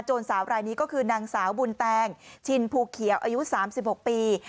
โจรสาวรายนี้ก็คือนางสาวบุญแตงชินภูเขียวอายุสามสิบหกปี